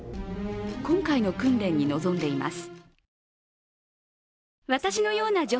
今回の訓練に臨んでいます。